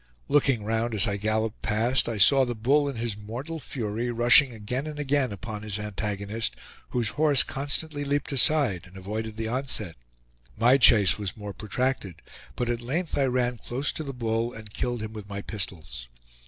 Looking round as I galloped past, I saw the bull in his mortal fury rushing again and again upon his antagonist, whose horse constantly leaped aside, and avoided the onset. My chase was more protracted, but at length I ran close to the bull and killed him with my pistols.